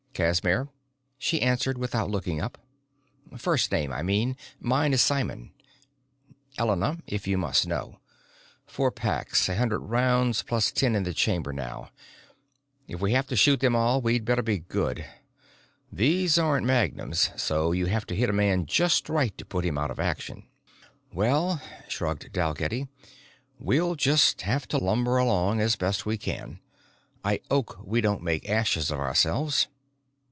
"Casimir," she answered, without looking up. "First name, I mean. Mine is Simon." "Elena, if you must know. Four packs, a hundred rounds plus ten in the chamber now. If we have to shoot them all, we'd better be good. These aren't magnums, so you have to hit a man just right to put him out of action." "Well," shrugged Dalgetty, "we'll just have to lumber along as best we can. I oak we don't make ashes of ourselves."